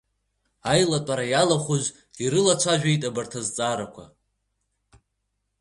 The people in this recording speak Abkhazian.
Аилатәара иалахәыз ирылацәажәеит абарҭ азҵаарақәа…